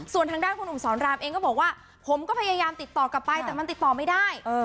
ส่วนทางด้านคุณหนุ่มสอนรามเองก็บอกว่าผมก็พยายามติดต่อกลับไปแต่มันติดต่อไม่ได้